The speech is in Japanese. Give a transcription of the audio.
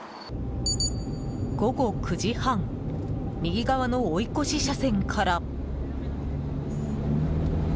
午後９時半右側の追い越し車線から。